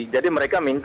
dan memasukkan derap lgbt